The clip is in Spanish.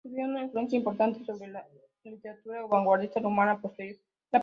Tuvieron una influencia importante sobre la literatura vanguardista rumana posterior.